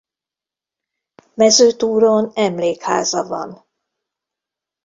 Mezőtúron emlékháza van.